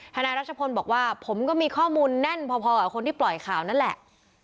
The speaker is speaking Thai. นายรัชพลบอกว่าผมก็มีข้อมูลแน่นพอกับคนที่ปล่อยข่าวนั่นแหละ